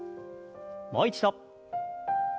もう一度。